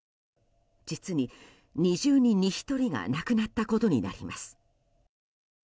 実に２０人に１人が亡くなったことになります。